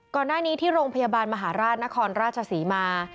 ก่อนหน้านี้ที่โรงพยาบาลมหาราชนครราชศรีมา